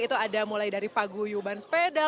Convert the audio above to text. itu ada mulai dari paguyuban sepeda